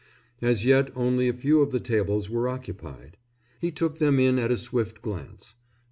As yet only a few of the tables were occupied. He took them in at a swift glance.